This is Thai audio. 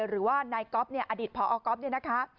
หรือว่านายก๊อฟเนี่ยอดีตพอก๊อฟเนี่ยนะคะ